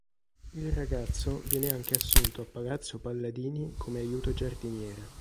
Il ragazzo viene anche assunto a palazzo Palladini come aiuto giardiniere.